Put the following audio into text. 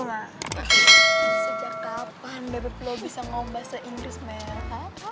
sejak kapan bebe pian lo bisa ngomong bahasa inggris merah